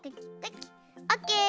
オッケー！